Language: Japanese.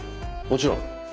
もちろん。